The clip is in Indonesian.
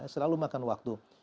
selalu makan waktu